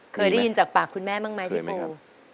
เคยได้ยินจากปากคุณแม่บ้างไหมพี่ปู